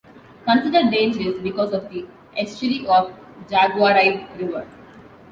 Considered dangerous because of the estuary of Jaguaribe River.